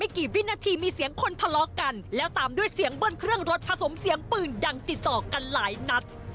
กันแล้วตามด้วยเสียงเบิ้ลเครื่องรถผสมเสียงปืนดังติดต่อกันหลายนัด